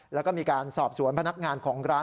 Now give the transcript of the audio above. แล้วก็มีการสอบสวนพนักงานของร้าน